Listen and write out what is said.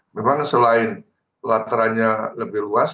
memang selain latarannya lebih luas